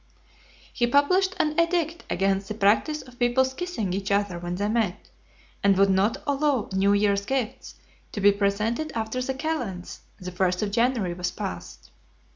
He published an edict against the practice of people's kissing each other when they met; and would not allow new year's gifts to be presented after the calends [the first] of January was passed.